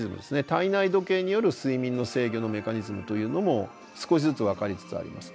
体内時計による睡眠の制御のメカニズムというのも少しずつ分かりつつあります。